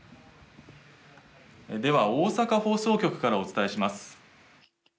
では大阪放送局からお伝えします。